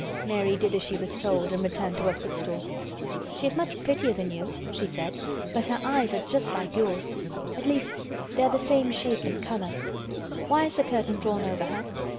Mary did as she was told and returned to her footstool. "She is much prettier than you," she said, "but her eyes are just like yours—at least they are the same shape and color. Why is the curtain drawn over her?"